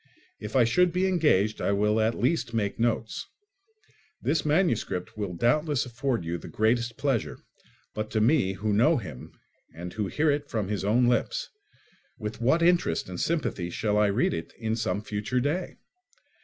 If I should be engaged, I will at least make notes. This manuscript will doubtless afford you the greatest pleasure; but to me, who know him, and who hear it from his own lips—with what interest and sympathy shall I read it in some future day!